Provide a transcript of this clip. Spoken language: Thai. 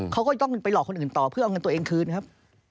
เขาก็ต้องไปหลอกคนอื่นต่อเพื่อเอาเงินตัวเองคืนครับ